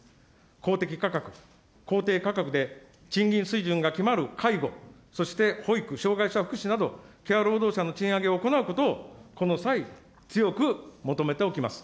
公的価格、公定価格で賃金水準が決まる介護、そして保育、障害者福祉など、ケア労働者の賃上げを行うことをこの際、強く求めておきます。